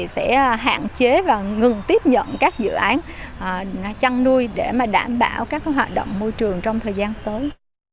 sẽ hạn chế và ngừng tiếp nhận các dự án chăn nuôi để đảm bảo các hoạt động môi trường trong thời gian tới